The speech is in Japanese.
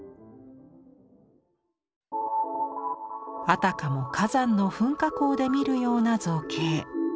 あたかも火山の噴火口で見るような造形。